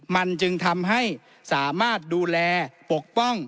มันจึงทำให้สามารถดูแลปกป้อง